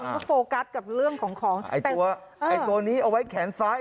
ก็โฟกัสกับเรื่องของของตัวไอ้ตัวนี้เอาไว้แขนซ้าย